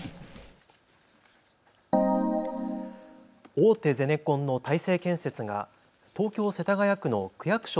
大手ゼネコンの大成建設が東京世田谷区の区役所